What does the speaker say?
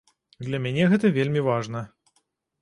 Для мяне гэта вельмі важна.